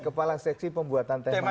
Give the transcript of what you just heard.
kepala seksi pembuatan teman